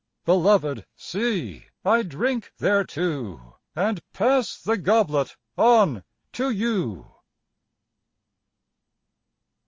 Beloved, see, I drink thereto! And pass the goblet on to you.